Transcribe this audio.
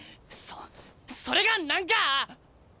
そそれが何か！？